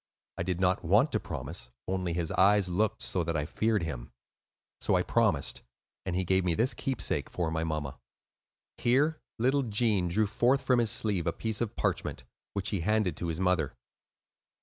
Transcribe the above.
I did not want to promise, only his eyes looked so that I feared him; so I promised; and he gave me this keepsake, for my mamma." Here little Gene drew forth from his sleeve a piece of parchment, which he handed to his mother.